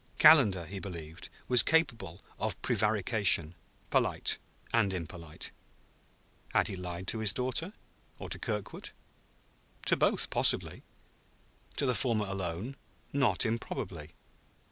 Calendar, he believed, was capable of prevarication, polite and impolite. Had he lied to his daughter? or to Kirkwood? To both, possibly; to the former alone, not improbably.